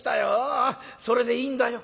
それでいいんだよ」。